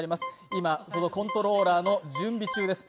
今、そのコントローラーの準備中です。